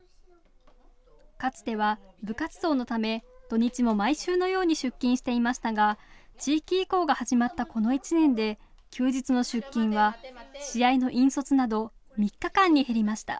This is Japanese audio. かつては部活動のため、土日も毎週のように出勤していましたが地域移行が始まったこの１年で休日の出勤は試合の引率など３日間に減りました。